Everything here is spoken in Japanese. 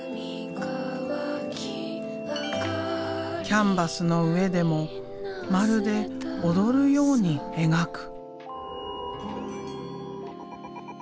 キャンバスの上でもまるで踊るように描く。